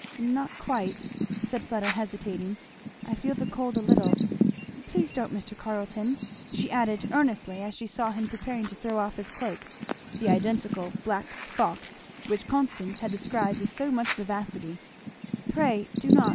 "Not quite," said Fleda hesitating, "I feel the cold a little. Please don't, Mr. Carleton! " she added earnestly as she saw him preparing to throw off his cloak, the identical black fox which Constance had described with so much vivacity; "pray do not!